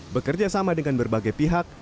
bekerja sama dengan berbagai pihak